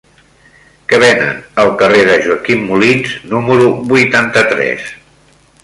Què venen al carrer de Joaquim Molins número vuitanta-tres?